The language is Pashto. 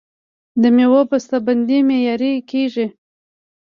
د میوو بسته بندي معیاري کیږي.